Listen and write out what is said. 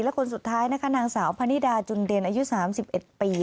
และคนสุดท้ายนะคะนางสาวพนิดาจุนเดนอายุ๓๑ปี